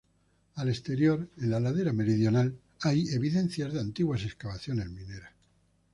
Al exterior, en la ladera meridional, hay evidencias de antiguas excavaciones mineras.